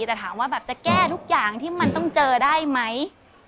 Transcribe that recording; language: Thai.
แต่ถามว่าแบบจะแก้ทุกอย่างที่มันต้องเจอได้ไหม